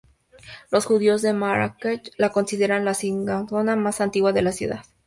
Los judíos de Marrakech la consideran la sinagoga más antigua de la ciudad.